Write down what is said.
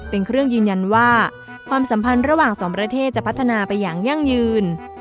เป็นเครื่องยืนยันว่าความสัมพันธ์ระหว่างสองประเทศจะพัฒนาไปอย่างยั่งยืน